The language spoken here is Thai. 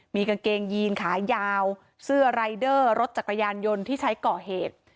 มีกางเกงยีนขายาวเสื้อรายเดอร์รถจักรยานยนต์ที่ใช้ก่อเหตุ